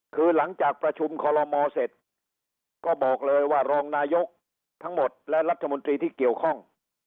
คือหลังจากประชุมคอลโลมอเสร็จก็บอกเลยว่ารองนายกทั้งหมดและรัฐมนตรีที่เกี่ยวข้อง